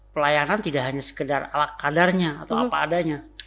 pelayanan tidak hanya sekedar alat kadarnya atau apa adanya